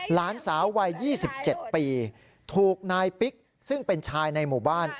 หลานสาววัย๒๗ปีถูกนายปิ๊กซึ่งเป็นชายในหมู่บ้าน